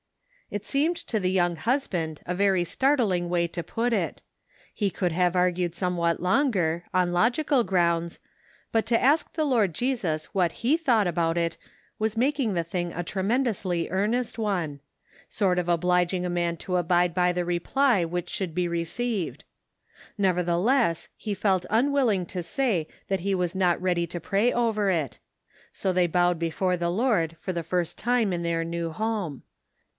It seemed to the young husband a very start ling way to put it ; he could have argued some what longer, on logical grounds, but to ask the Lord Jesus what he thought about it was making the thing a tremendously earnest one ; sort of obliging a man to abide by the reply which should be received. Nevertheless, he felt unwilling to say that he was not ready to pray over it ; so they bowed before the Lord for the first time in their new home.